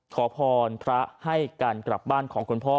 ขอพรพระให้การกลับบ้านของคุณพ่อ